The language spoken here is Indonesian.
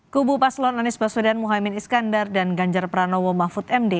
kubu paslon anies baswedan mohaimin iskandar dan ganjar pranowo mahfud md